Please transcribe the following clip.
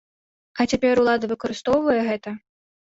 А цяпер улада выкарыстоўвае гэта?